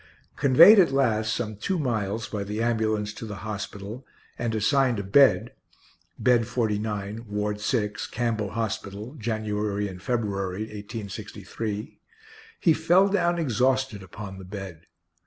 Conveyed at last some two miles by the ambulance to the hospital, and assigned a bed (Bed 49, Ward 6, Campbell hospital, January and February, 1863), he fell down exhausted upon the bed.